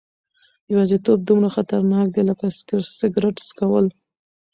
یوازیتوب دومره خطرناک دی لکه سګرټ څکول.